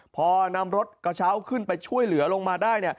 พอนำรถกระเช้าขึ้นไปช่วยเหลือลงมาได้